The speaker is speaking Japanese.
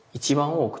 多く